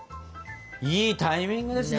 いいタイミングですね。